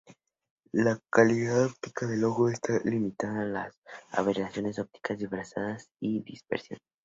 La calidad óptica del ojo está limitada por aberraciones ópticas, difracción y dispersión.